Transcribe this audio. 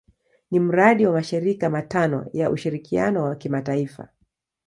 Ni mradi wa mashirika matano ya ushirikiano wa kimataifa.